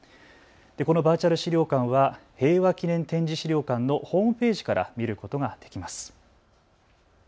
このバーチャル資料館は平和祈念展示資料館のホームページから見ることができます。